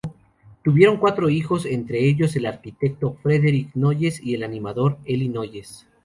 Tuvieron cuatro hijos, entre ellos el arquitecto Frederick Noyes y el animador Eli Noyes.